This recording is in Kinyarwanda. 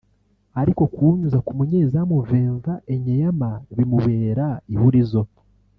ariko kuwunyuza ku munyezamu Vinvent Enyeama bimubera ihurizo